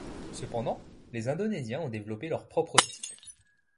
Cependant, les Indonésiens ont développé leur propre style.